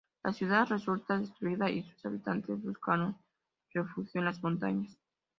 La ciudad resultó destruida y sus habitantes buscaron refugio en las montañas.